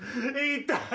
痛い！